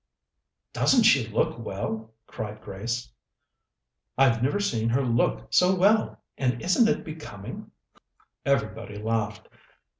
"Doesn't she look well?" cried Grace. "I've never seen her look so well and isn't it becoming?" Everybody laughed.